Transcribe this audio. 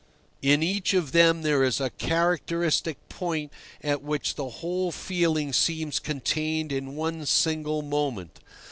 In each of them there is a characteristic point at which the whole feeling seems contained in one single moment.